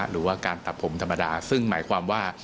หรือว่าการตัดผมธรรมดาซึ่งหมายความว่า